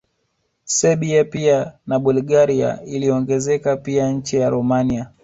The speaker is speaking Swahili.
Serbia pia na Bulgaria iliongezeka pia nchi ya Romania